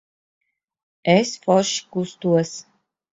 Es forši kustos.